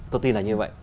tôi tin là như vậy